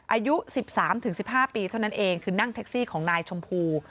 อายุ๑๓๑๕ปีเท่านั้นเองคือนั่งแท็กซี่ของนายชมพู